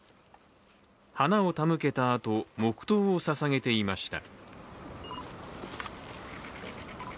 花を手向けたあと、黙とうをささげていました。